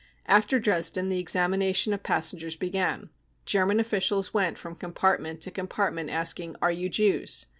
After Dresden the examination of passengers began. German officials went from compartment to compartment asking ' Are you Jews